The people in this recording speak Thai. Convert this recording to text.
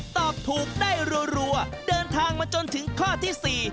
ตอบถูกได้รัวเดินทางมาจนถึงข้อที่๔